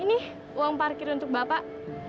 ini uang parkir untuk bapak